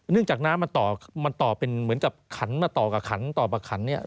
จากน้ำมันต่อมันต่อเป็นเหมือนกับขันมาต่อกับขันต่อประขันเนี่ย